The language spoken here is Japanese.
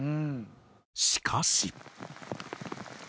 しかし。